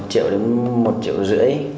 một triệu đến một triệu rưỡi